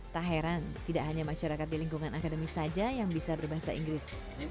tak heran tidak hanya masyarakat di lingkungan akademis saja yang bisa berbahasa inggris